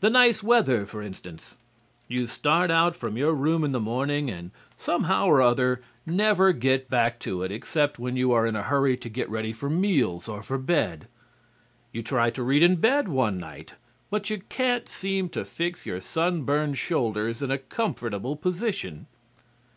The nice weather, for instance. You start out from your room in the morning and somehow or other never get back to it except when you are in a hurry to get ready for meals or for bed. You try to read in bed one night, but you can't seem to fix your sun burned shoulders in a comfortable position.